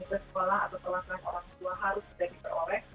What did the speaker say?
jika komite sekolah atau perlakuan orang tua harus sudah diperoleh